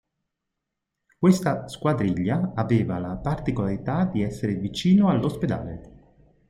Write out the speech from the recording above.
Questa squadriglia aveva la particolarità di esser vicino all'ospedale.